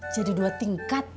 jadi dua tingkat